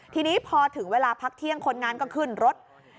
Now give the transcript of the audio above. ทีนี้พอถึงเวลาพักเที่ยงคนงานก็ขึ้นรถ